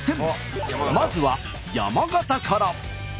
まずは山形から。